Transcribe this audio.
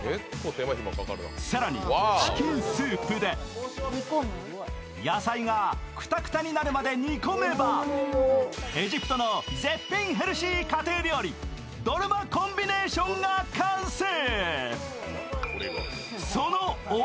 更にチキンスープで、野菜がクタクタになるまで煮込めばエジプトの絶品ヘルシー家庭料理、ドルマコンビネーションが完成。